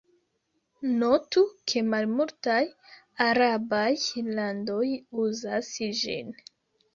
Notu, ke malmultaj arabaj landoj uzas ĝin.